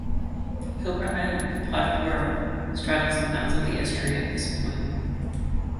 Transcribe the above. Hilbre Island, part of Wirral, straddles the mouth of the estuary at this point.